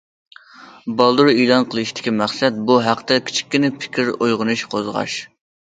بالدۇر ئېلان قىلىشتىكى مەقسەت بۇ ھەقتە كىچىككىنە پىكىر ئويغىنىشى قوزغاش.